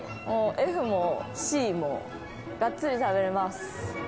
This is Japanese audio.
ＦもＣも、がっつり食べれます。